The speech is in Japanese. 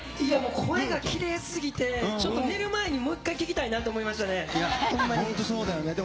声がきれいすぎて、ちょっと寝る前にもう１回聞きたいなと思本当そうだよね。